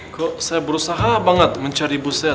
kok saya berusaha banget mencari ibu saya